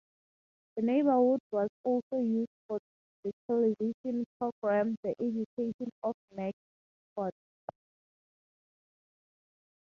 The neighborhood was also used for the television program "The Education of Max Bickford".